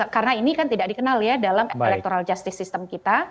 karena ini kan tidak dikenal ya dalam electoral justice sistem kita